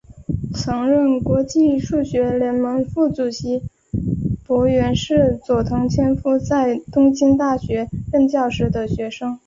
曾任国际数学联盟副主席柏原是佐藤干夫在东京大学任教时的学生。